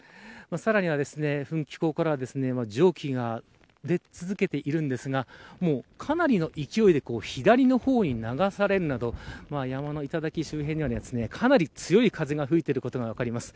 さらには気孔からは蒸気が出続けているんですがかなりの勢いで左の方に流されるなど山の頂周辺には、かなり強い風が吹いていることが分かります。